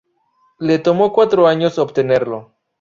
Le tomó cuatro años obtenerlo.